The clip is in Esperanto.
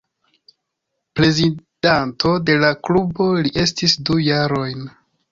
Prezidanto de la klubo li estis du jarojn.